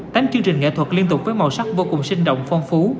tám chương trình nghệ thuật liên tục với màu sắc vô cùng sinh động phong phú